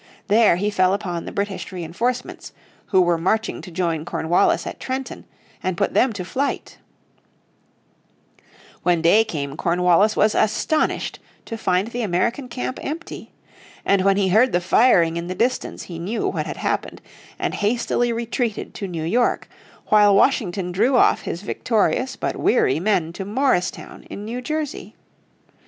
There he fell upon the British reinforcements, who were marching to join Cornwallis at Trenton, and put them to flight. When day came Cornwallis was astonished to find the American camp empty. And when he heard the firing in the distance he knew what had happened, and hastily retreated to New York, while Washington drew off his victorious but weary men to Morristown in New Jersey.